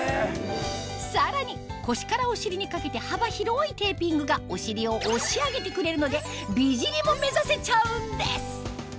さらに腰からお尻にかけて幅広いテーピングがお尻を押し上げてくれるので美尻も目指せちゃうんです